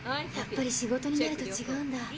やっぱり仕事になるとちがうんだ。